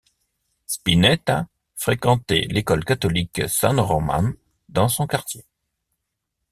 Spinetta fréquentait l'école catholique San Román, dans son quartier.